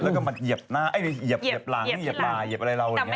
อยู่ดีกว่าช่างวัดอะไรอาจารย์เอตาธิพย์